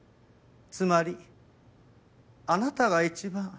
つまりあなたが一番。